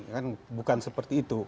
kan bukan seperti itu